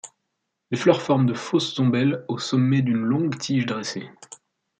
Les fleurs forment de fausses ombelles au sommet d'une longue tige dressée.